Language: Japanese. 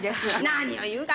何を言うか！